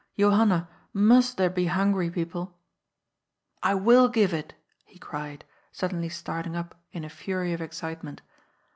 Johanna, must there be hungry people ?'*" I will give it," he cried, suddenly starting up in a fury of excitement.